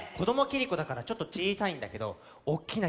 キリコだからちょっとちいさいんだけどおっきな